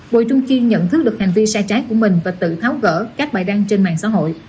bùi trung kiên nhận thức được hành vi sai trái của mình và tự tháo gỡ các bài đăng trên mạng xã hội